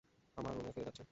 আমার রুমে ফিরে যাচ্ছি।